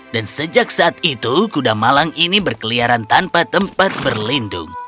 dan sejak saat itu kuda malang ini berkeliaran tanpa tempat berlindung